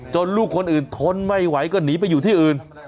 ลูกคนอื่นทนไม่ไหวก็หนีไปอยู่ที่อื่น